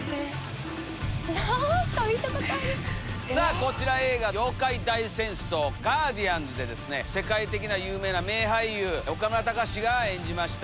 こちら映画『妖怪大戦争ガーディアンズ』で世界的な有名な名俳優岡村隆史が演じました